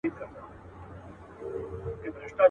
هم له جنډۍ، هم زیارتونو سره لوبي کوي.